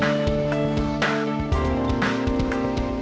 gak apa apa kok tante